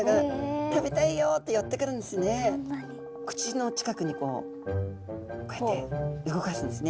口の近くにこうやって動かすんですね。